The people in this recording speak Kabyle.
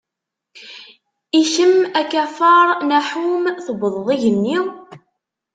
I kem, a Kafar Naḥum, tewwḍeḍ igenni?